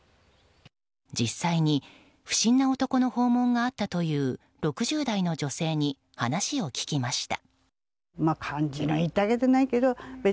実際に不審な男の訪問があったという６０代の女性に話を聞きました。